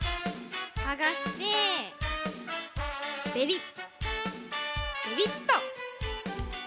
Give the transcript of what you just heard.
はがしてベリッベリッと！